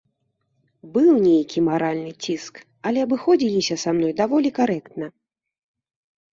Быў нейкі маральны ціск, але абыходзіліся са мной даволі карэктна.